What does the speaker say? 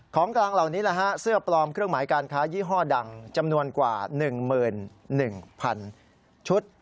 ของกลางเหล่านี้แหละฮะเสื้อปลอมเครื่องหมายการค้ายี่ห้อดังจำนวนกว่า๑๑๐๐๐ชุด